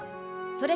それ！